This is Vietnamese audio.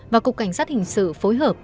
và cục cảnh sát hình sự phối hợp